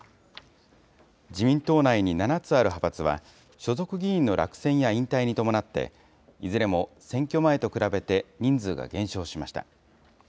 自民党内に７つある派閥は、所属議員の落選や引退に伴って、いずれも選挙前と比べて人数が減少しました。